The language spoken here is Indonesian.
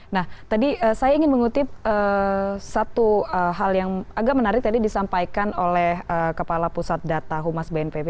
nah tadi saya ingin mengutip satu hal yang agak menarik tadi disampaikan oleh kepala pusat data humas bnpb